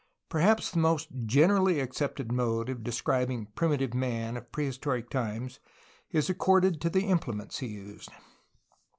Perhaps the most generally accepted mode of describing primitive man of prehistoric times is according to the implements he used.